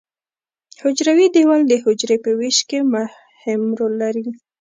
حجروي دیوال د حجرې په ویش کې مهم رول لري.